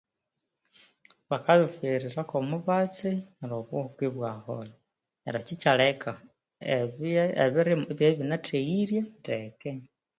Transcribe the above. Bakabifuhirira komubatsi neryo obuhuka ibwaholha neryo ekyo ekyileka ebya ebirimwa ibyabya ibinatheghirye ndeke